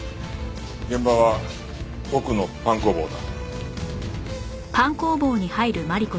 現場は奥のパン工房だ。